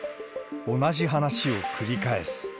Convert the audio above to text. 同じ話を繰り返す。